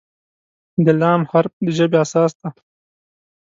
د "ل" حرف د ژبې اساس دی.